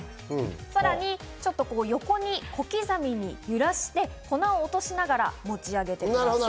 さらに横に小刻みに揺らして、粉を落としながら持ち上げてください。